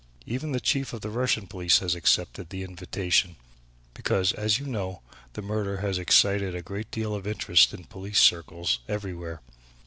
Even the Chief of the Russian police has accepted the invitation, because, as you know, this murder has excited a great deal of interest in police circles everywhere.